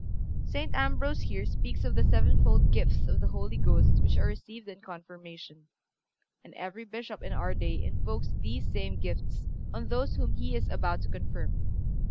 (362) St. Ambrose here speaks of the sevenfold gifts of the Holy Ghost which are received in Confirmation, and every Bishop in our day invokes these same gifts on those whom he is about to confirm.